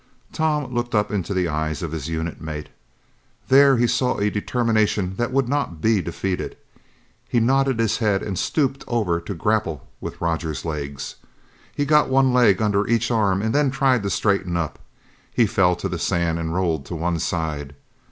Tom looked up into the eyes of his unit mate. There he saw a determination that would not be defeated. He nodded his head and stooped over to grapple with Roger's legs. He got one leg under each arm and then tried to straighten up. He fell to the sand and rolled to one side.